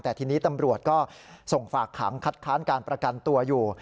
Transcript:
แต่ทีนี้ตำรวจก็ส่งฝากขังคัดค้านการประกันตัวอยู่